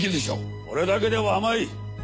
それだけでは甘い。